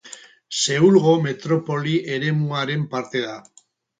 Seulgo metropoli eremuaren parte da.